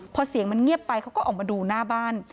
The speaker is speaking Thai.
พอเสียงมันเงียบไปเขาก็ออกมาดูหน้าบ้าน